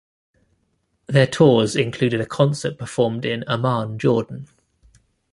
Their tours included a concert performed in Amman, Jordan.